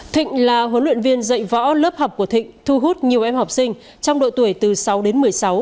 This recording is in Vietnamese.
thịnh là huấn luyện viên dạy võ lớp học của thịnh thu hút nhiều em học sinh trong độ tuổi từ sáu đến một mươi sáu